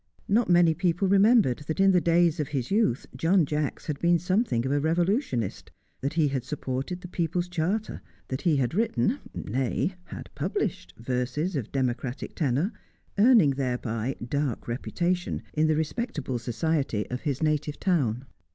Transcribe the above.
Not many people remembered that in the days of his youth John Jacks had been something of a Revolutionist, that he had supported the People's Charter; that he had written, nay had published, verses of democratic tenor, earning thereby dark reputation in the respectable society of his native town.